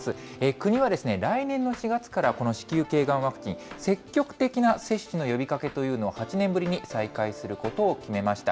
国はですね、来年の４月からこの子宮けいがんワクチン、積極的な接種の呼びかけというのを、８年ぶりに再開することを決めました。